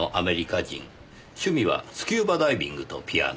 趣味はスキューバダイビングとピアノ。